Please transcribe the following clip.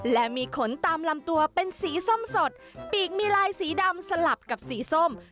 และมีขนตามลำตัวเป็นสีส้มสดปีกมีลายสีดำสลับกับสีส้ม